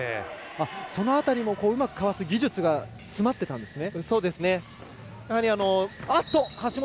その辺りもうまくかわす技術が詰まっていたんですね。